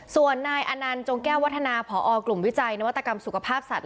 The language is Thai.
ส่วนนายอนันต์จงแก้ววัฒนาพอกลุ่มวิจัยนวัตกรรมสุขภาพสัตว